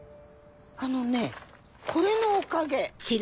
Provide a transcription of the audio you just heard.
あのねこれのおかげ。